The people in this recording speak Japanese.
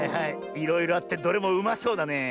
いろいろあってどれもうまそうだねえ。